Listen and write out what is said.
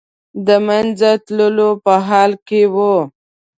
د منځه تللو په حال کې و.